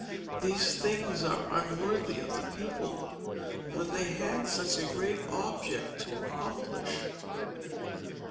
These things were unworthy of the people, when they had such a great object to accomplish."